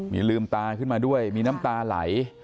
มีลืมตาขึ้นมาด้วยมีน้ำตาไหล